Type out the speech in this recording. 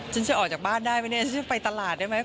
ฉันจะออกจากบ้านได้มั้ยฉันจะไปตลาดได้มั้ย